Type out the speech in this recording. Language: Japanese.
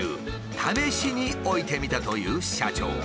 試しに置いてみたという社長。